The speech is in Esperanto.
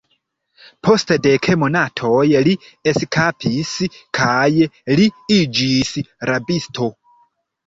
Post dek monatoj li eskapis kaj li iĝis rabisto.